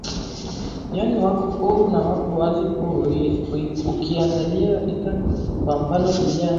yani wako huru na wako wazi ukiangalia rika kwa mfano vijana